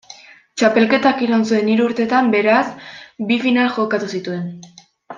Txapelketak iraun zuen hiru urtetan beraz bi final jokatu zituen.